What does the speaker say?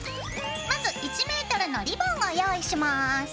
まず１ｍのリボンを用意します。